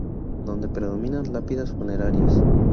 Donde predominan lápidas funerarias.